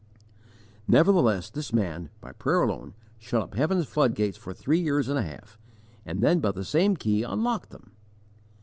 Nevertheless, this man, by prayer alone, shut up heaven's floodgates for three years and a half, and then by the same key unlocked them.